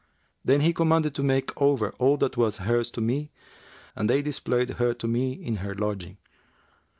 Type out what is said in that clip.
Then he commanded to make over all that was hers to me and they displayed her to me[FN#368] in her lodging.